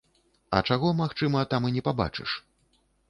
А чаго, магчыма, там і не пабачыш?